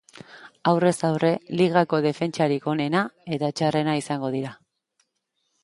Aurrez aurre, ligako defentsarik onena eta txarrena izango dira.